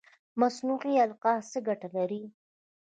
مصنوعي القاح څه ګټه لري؟